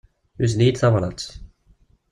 Yuzen-iyi-d tabrat.